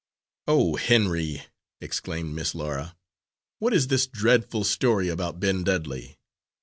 "Oh, Henry," exclaimed Miss Laura, "what is this dreadful story about Ben Dudley?